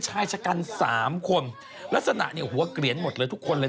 ชายชะกัน๓คนลักษณะเนี่ยหัวเกลียนหมดเลยทุกคนเลย